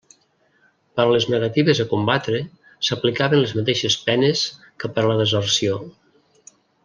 Per a les negatives a combatre s'aplicaven les mateixes penes que per a la deserció.